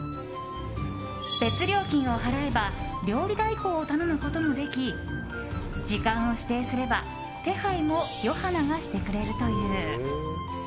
別料金を払えば料理代行を頼むこともでき時間を指定すれば、手配もＹｏｈａｎａがしてくれるという。